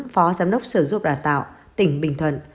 phó giám đốc sở dụng và đào tạo tỉnh bình thuận